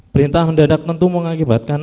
perintah mendadak tentu mengakibatkan